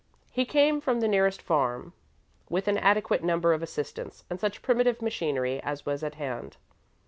He came from the nearest farm with an adequate number of assistants and such primitive machinery as was at hand.